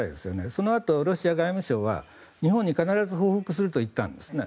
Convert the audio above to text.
そのあと、ロシア外務省は日本に必ず報復すると言ったんですね。